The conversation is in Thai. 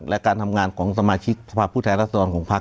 และการทำงานของสมาชิกสภาพผู้แทนรัศดรของพัก